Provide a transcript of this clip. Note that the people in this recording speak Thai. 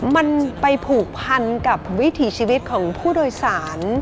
มันไปผูกพันกับวิถีชีวิตของผู้โดยสาร